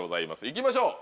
いきましょう